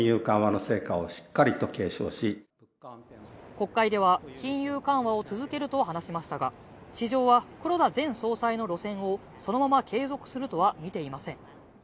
国会では金融緩和を続けると話しましたが、市場は黒田前総裁の路線をそのまま継続するとはみていません。